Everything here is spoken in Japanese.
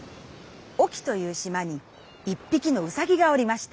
隠岐という島に１ぴきのうさぎがおりました。